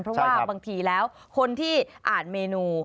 เพราะว่าบางทีแล้วคนที่อ่านเมนู